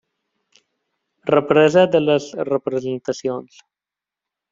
Represa de les representacions.